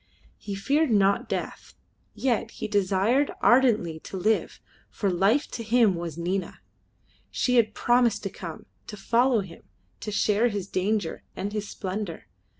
He feared not death, yet he desired ardently to live, for life to him was Nina. She had promised to come, to follow him, to share his danger and his splendour.